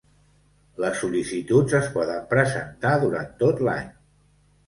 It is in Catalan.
Les sol·licituds es poden presentar durant tot l'any.